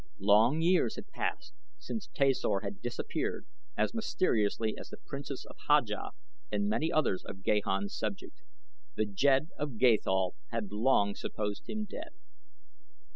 Long years had passed since Tasor had disappeared as mysteriously as the Princess Haja and many other of Gahan's subjects. The Jed of Gathol had long supposed him dead.